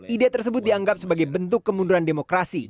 ide tersebut dianggap sebagai bentuk kemunduran demokrasi